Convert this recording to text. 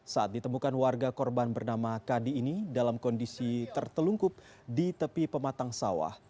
saat ditemukan warga korban bernama kadi ini dalam kondisi tertelungkup di tepi pematang sawah